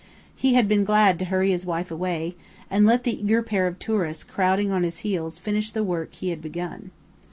He had been glad to hurry his wife away, and let the eager pair of "tourists" crowding on his heels finish the work he had begun.